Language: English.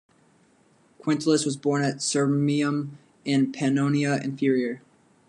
Quintillus was born at Sirmium in Pannonia Inferior.